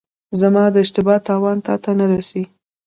زما د اشتبا تاوان تاته نه رسي.